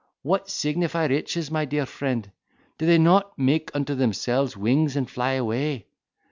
What signify riches, my dear friend? do they not make unto themselves wings and fly away?